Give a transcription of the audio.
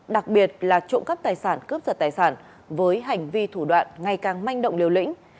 đặc biệt là trộm cắp tài sản cướp giật tài sản với hành vi thủ đoạn ngày càng manh động liều lĩnh